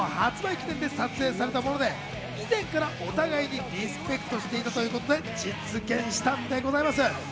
記念で撮影されたもので、以前からお互いにリスペクトしていたということで実現したんでございます。